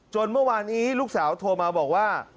เมื่อวานนี้ลูกสาวโทรมาบอกว่า